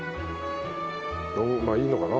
まあいいのかな？